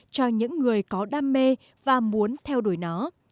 cho những người có đam mê và muốn theo đuổi nó